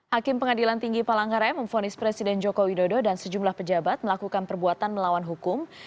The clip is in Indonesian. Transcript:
hakim pengadilan tinggi palangkaraya memfonis presiden joko widodo dan sejumlah pejabat melakukan perbuatan melawan hukum